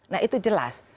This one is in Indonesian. nah itu jelas